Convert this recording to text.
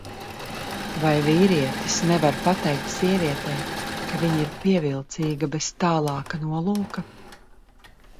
Vai vīrietis nevar pateikt sievietei, ka viņa ir pievilcīga bez tālāka nolūka?